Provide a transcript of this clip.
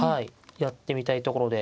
やってみたいところで。